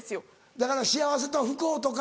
だから幸せと不幸とか